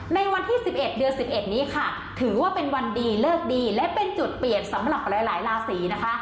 ในวันที่สิบเอ็ดเดือสิบเอ็ดนี้ค่ะถือว่าเป็นวันดีเลิกดีและเป็นจุดเปลี่ยนสำหรับหลายหลายลาศีนะคะ